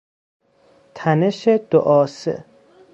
تنش دو آسه